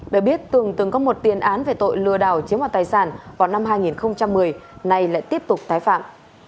để biết tường từng từng có một tiền án về tội lừa đảo chiếm hoạt tài sản vào năm hai nghìn một mươi nay lại tiếp tục tái phạm